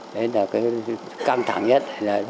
đấy là cái căng thẳng nhất